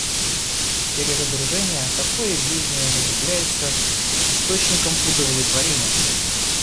В сфере разоружения такое веяние является источником удовлетворения.